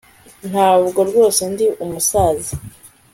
Ntabwo rwose ndi umusaza